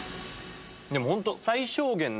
でもホント。